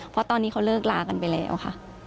เพราะตอนนี้เขาเลิกลากันไปแล้วค่ะ